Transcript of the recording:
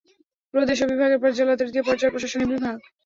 প্রদেশ ও বিভাগের পর জেলা তৃতীয় পর্যায়ের প্রশাসনিক বিভাগ।